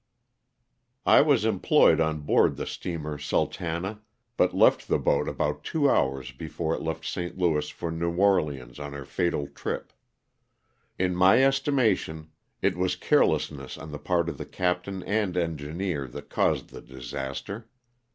T WAS employed on board the steamer *' Sultana," * but left the boat about two hours before it left St. Louis for New Orleans on her fatal trip. In my esti mation it was carelessness on the part of the captain and engineer that caused the disaster.